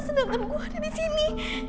sedangkan gue ada disini